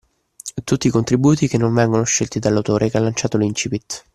Tutti i contributi che non vengono scelti dall'autore che ha lanciato l'incipit